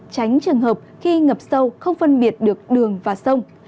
tránh trường hợp khi ngập sâu không phân biệt được đường và sông